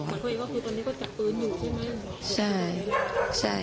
ตอนนี้ก็จัดปืนอยู่ใช่ไหม